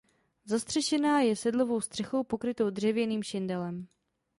Zastřešená je sedlovou střechou pokrytou dřevěným šindelem.